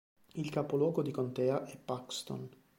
Il capoluogo di contea è Paxton.